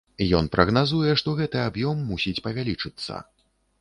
Ён прагназуе, што гэты аб'ём мусіць павялічыцца.